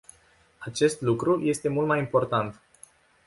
Acest lucru este mult mai important.